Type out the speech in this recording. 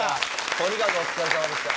とにかくお疲れさまでした。